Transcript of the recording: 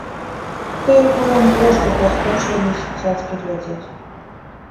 Тыя кулём з ложкаў паскочваліся цацкі глядзець.